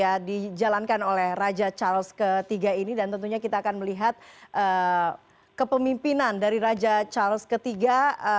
yang dijalankan oleh raja charles iii ini dan tentunya kita akan melihat kepemimpinan dari raja charles iii